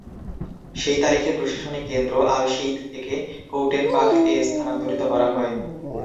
সেই তারিখে, প্রশাসনিক কেন্দ্র আলশেইদ থেকে কৌটেনবাখ-এ স্থানান্তরিত করা হয়।